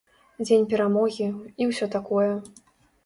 Дзень перамогі, і ўсё такое.